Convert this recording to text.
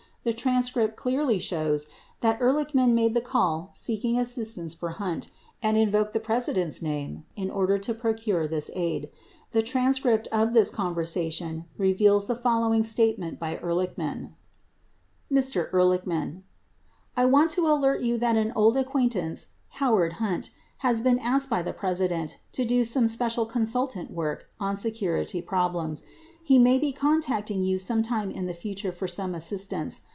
The transcript clearly shows that Ehrlichman made the call seeking assistance for Hunt, and invoked the President's name in order to procure this aid. The transcript of this conversation reveals the following statement by Ehrlichman : Mr. Ehrlichman. I want to alert you that, an old acquaint ance, Howard Hunt has been asked by the President to do some special consultant work on security problems. He may be contacting you sometime in the future for some assistance.